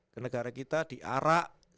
ke negara kita diarak